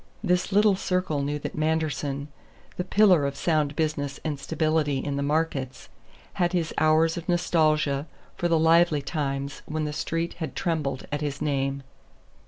This little circle knew that Manderson, the pillar of sound business and stability in the markets, had his hours of nostalgia for the lively times when the Street had trembled at his name.